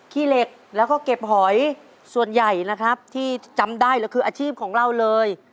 ขี้เหล็กแล้วก็เก็บหอยส่วนใหญ่นะครับที่จำได้เลยคืออาชีพของเราเลย